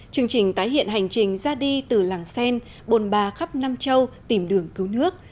chương trình tái hiện hành trình ra đi từ làng sen bồn bà khắp nam châu tìm đường cứu nước